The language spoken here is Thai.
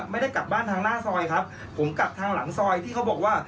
ไม่ได้กลับบ้านทางหน้าซอยครับผมกลับทางหลังซอยที่เขาบอกว่า